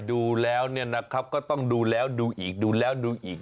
ดูแล้วเนี่ยนะครับก็ต้องดูแล้วดูอีกดูแล้วดูอีก